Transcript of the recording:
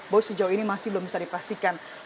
bahwa sejauh ini masih belum bisa dipastikan